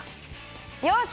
よし！